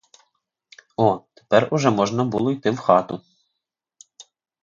О, тепер уже можна було йти в хату.